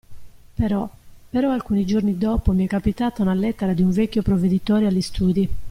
Però, però alcuni giorni dopo mi è capitata una lettera di un vecchio Provveditore agli studi.